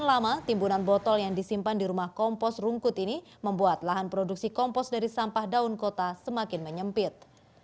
lama timbunan botol yang disimpan di rumah kompos rungkut ini membuat lahan produksi kompos dari sampah daun kota semakin menyempit